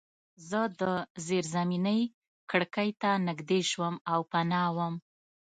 زه د زیرزمینۍ کړکۍ ته نږدې شوم او پناه وم